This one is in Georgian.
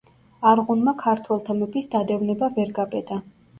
არღუნმა ქართველთა მეფის დადევნება ვერ გაბედა.